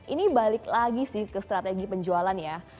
ini balik lagi sih ke strategi penjualan ya